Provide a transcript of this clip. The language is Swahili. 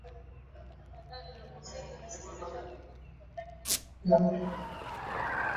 Tafadhali nakusihi nimesikitishwa na kifo cha Magreth nataka kuwakamata waliomuua